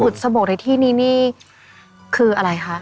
บุตรสะบบในที่นี่คืออะไรคะ